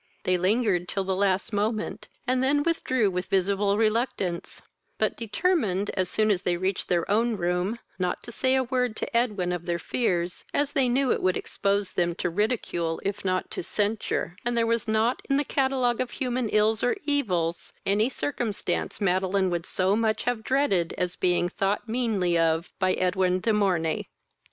They lingered till the last moment, and then withdrew with visible reluctance; but determined, as soon as they reached their own room, not to say a word to Edwin of their fears, as they knew it would expose them to ridicule, if not to censure, and there was not in the catalogue of human ills or evils any circumstance Madeline would so much have dreaded as being thought meanly of by Edwin de Morney.